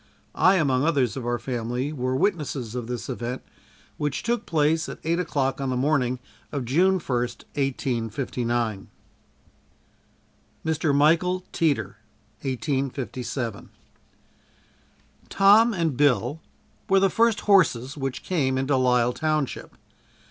I among others of our family were witnesses of this event, which took place at eight o'clock on the morning of June first, 1859. Mr. Michael Teeter 1857. Tom and Bill were the first horses which came into Lyle township.